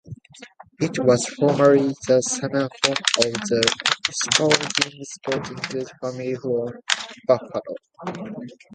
It was formerly the summer home of the Spaulding sporting good family from Buffalo.